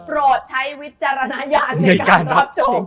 โปรดใช้วิจารณญาณในการรับชม